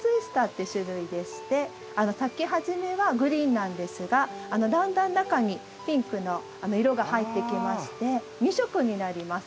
’って種類でして咲き始めはグリーンなんですがだんだん中にピンクの色が入ってきまして２色になります。